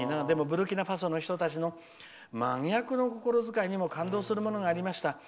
ブルキナファソの人たちの心遣いにも感動するものがありました。